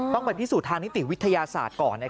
ต้องไปพิสูจน์ทางนิติวิทยาศาสตร์ก่อน